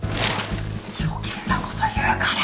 余計なこと言うから！